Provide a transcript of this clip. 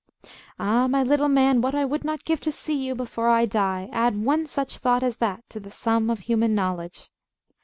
Ah, my little man, what would I not give to see you, before I die, add one such thought as that to the sum of human knowledge!